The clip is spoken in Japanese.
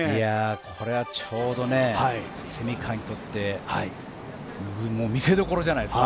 これはちょうど蝉川にとって見せどころじゃないですか？